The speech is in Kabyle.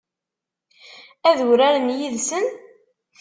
Ad uraren yid-sen?